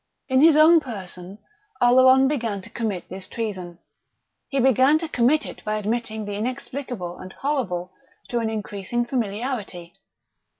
In his own person, Oleron began to commit this treason. He began to commit it by admitting the inexplicable and horrible to an increasing familiarity.